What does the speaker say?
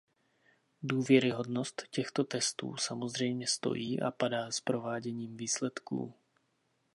Důvěryhodnost těchto testů samozřejmě stojí a padá s prováděním výsledků.